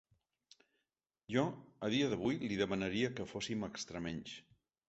Jo a dia d’avui li demanaria que fóssim extremenys.